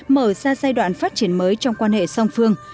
mở ra giai đoạn phát triển mới trong quan hệ song phương